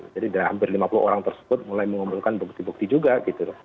jadi sudah hampir lima puluh orang tersebut mulai mengumpulkan bukti bukti juga gitu